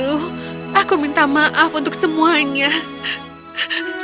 tuhan aku meminta maaf untuk semua orang